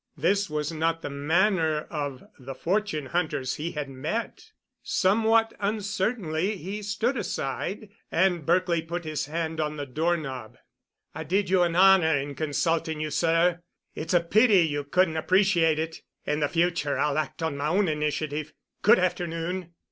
This was not the manner of the fortune hunters he had met. Somewhat uncertainly he stood aside, and Berkely put his hand on the door knob. "I did you an honor in consulting you, sir. It's a pity you couldn't appreciate it. In the future I'll act on my own initiative. Good afternoon."